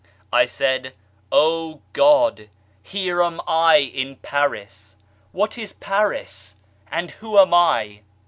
I said, O God, Here am I in Paris I What is Paris and who am I